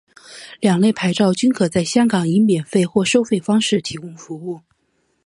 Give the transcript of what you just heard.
两类牌照均可在香港以免费或收费方式提供服务。